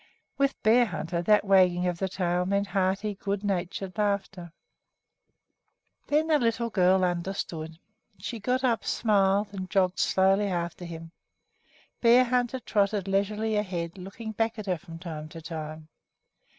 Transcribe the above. With Bearhunter that wagging of the tail meant hearty, good natured laughter. Then the little girl understood. She got up, smiled, and jogged slowly after him. Bearhunter trotted leisurely ahead, looking back at her from time to time.